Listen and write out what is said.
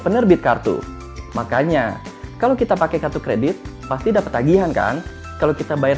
penerbit kartu makanya kalau kita pakai kartu kredit pasti dapat tagihan kan kalau kita bayar